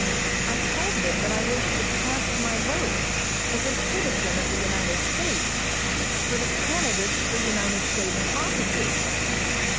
I told them that I wished to cast my vote, as a citizen of the United States, for the candidates for United States offices.